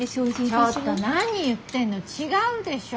ちょっと何言ってんの違うでしょ？